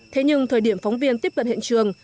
thế nhưng thời điểm phóng viên tiếp cận hiện trường